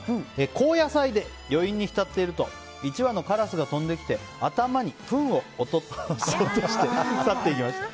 後夜祭で余韻に浸っていると１羽のカラスが飛んできて頭にフンを落として去っていきました。